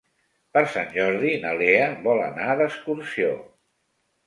Per Sant Jordi na Lea vol anar d'excursió.